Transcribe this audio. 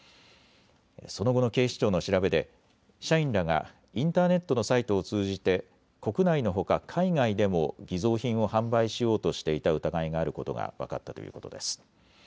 その後の警視庁の調べで社員らがインターネットのサイトを通じて国内のほか海外でも偽造品を販売しようとしていた疑いがあることが分かったということです。